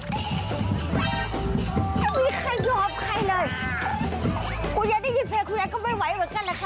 ไม่มีใครยอมใครเลยคุณยายได้ยินเพลงคุณยายก็ไม่ไหวเหมือนกันแหละค่ะ